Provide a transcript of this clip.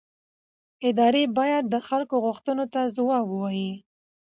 ادارې باید د خلکو غوښتنو ځواب ووایي